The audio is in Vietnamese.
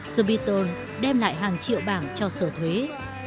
the beatles đem lại hàng triệu bảng cho sở thuế